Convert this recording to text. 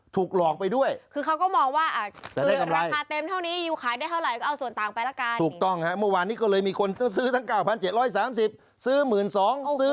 ถูกต้องครับเมื่อวานนี้ก็เลยมีคนซื้อทั้ง๙๗๓๐ซื้อ๑๒๐๐๐ซื้อ๑๕๐๐๐